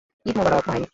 ঈদ মোবারক, ভাই।